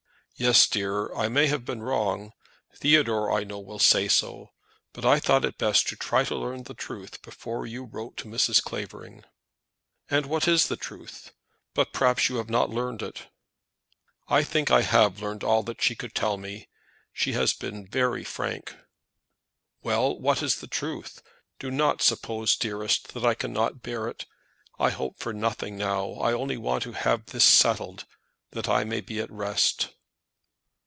"Yes, dear. I may have done wrong. Theodore, I know, will say so. But I thought it best to try to learn the truth before you wrote to Mrs. Clavering." "And what is the truth? But perhaps you have not learned it?" "I think I have learned all that she could tell me. She has been very frank." "Well; what is the truth? Do not suppose, dearest, that I cannot bear it. I hope for nothing now. I only want to have this settled, that I may be at rest."